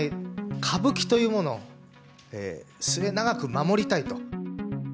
歌舞伎というものを末永く守りたいと。